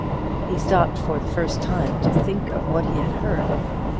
He stopped for the first time to think of what he had heard.